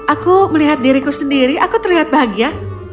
aku melihat diriku sendiri aku terlihat bahagia